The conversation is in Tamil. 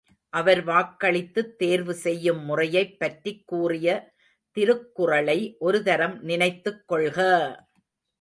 அவர் வாக்களித்துத் தேர்வு செய்யும் முறையைப் பற்றிக் கூறிய திருக்குறளை ஒரு தரம் நினைத்துக் கொள்க!